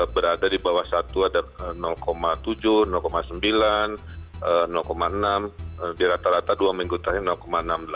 berada di bawah satu ada tujuh sembilan enam di rata rata dua minggu terakhir enam puluh delapan